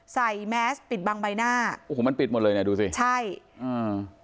ใส่แมสปิดบางใบหน้าโอ้โหมันปิดหมดเลยน่ะดูสิใช่อืม